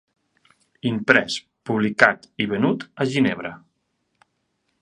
Imprès, publicat i venut a Ginebra.